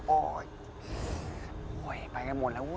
โอ้ยไปกันหมดแล้วเว้อ